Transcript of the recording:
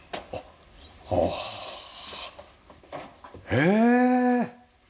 へえ。